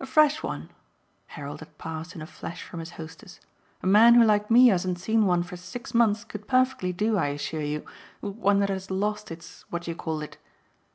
"A fresh one?" Harold had passed in a flash from his hostess. "A man who like me hasn't seen one for six months could perfectly do, I assure you, with one that has lost its what do you call it."